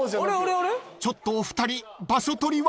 ［ちょっとお二人場所取りは？］